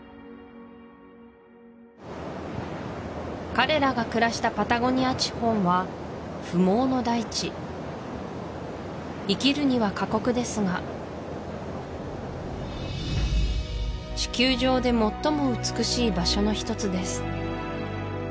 彼らが暮らしたパタゴニア地方は不毛の大地生きるには過酷ですが地球上で最も美しい場所の一つです